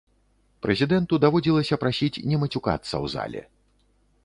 Прэзідэнту даводзілася прасіць не мацюкацца ў зале.